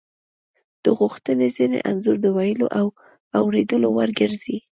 د غوښتنې ذهني انځور د ویلو او اوریدلو وړ ګرځي